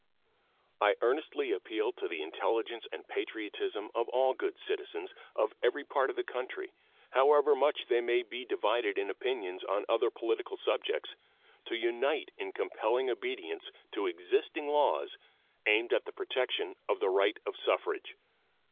I earnestly appeal to the intelligence and patriotism of all good citizens of every part of the country, however much they maybe divided in opinions on other political subjects, to unite in compelling obedience to existing laws aimed at the protection of the right of suffrage.